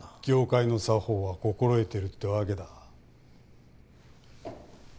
業界の作法は心得てるってわけだ。